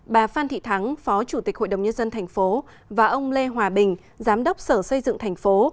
bà phan thị thắng phó chủ tịch hội đồng nhân dân tp và ông lê hòa bình giám đốc sở xây dựng tp